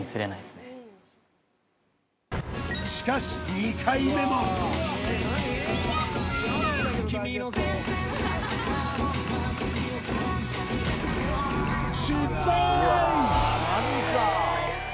しかし２回目も失敗！